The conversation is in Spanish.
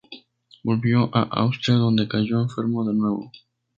Volvió a Austria, donde cayó enfermo de nuevo.